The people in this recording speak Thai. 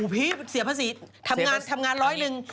พี่เสียภาษีทำงานร้อยหนึ่ง